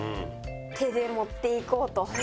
手で持っていこうと。